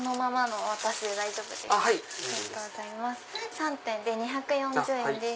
３点で２４０円です。